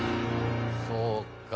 そうか。